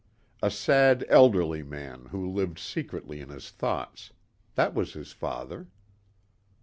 A sad, elderly man who lived secretly in his thoughts. That was his father.